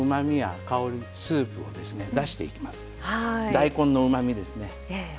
大根のうまみですね。